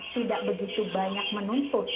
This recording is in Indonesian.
tidak begitu banyak menuntut